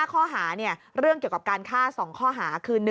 ข้อหาเรื่องเกี่ยวกับการฆ่า๒ข้อหาคือ